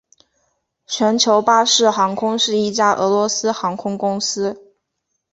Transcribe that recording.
全球巴士航空是一家俄罗斯航空公司。